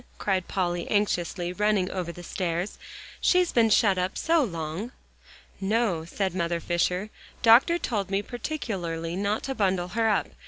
cried Polly anxiously, running over the stairs. "She's been shut up so long!" "No," said Mother Fisher. "Doctor told me particularly not to bundle her up.